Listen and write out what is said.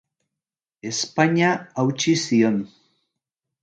Ezpaina hautsi zion.